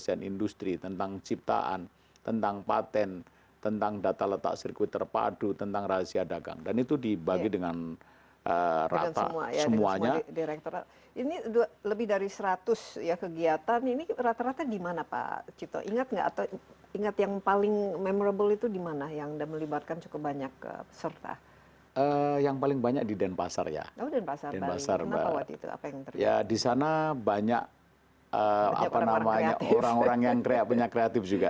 ya di sana banyak orang orang yang kreatif juga